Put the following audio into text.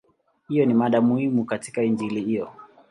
Hiyo ni mada muhimu katika Injili hiyo.